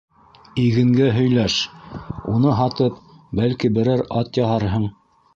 Игенгә һөйләш, уны һатып, бәлки, берәр ат яһарһың.